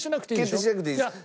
決定しなくていいです。